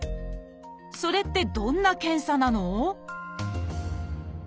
それってどんな検査なの？